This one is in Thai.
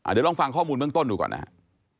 เดี๋ยวลองฟังข้อมูลเบื้องต้นดูก่อนนะครับ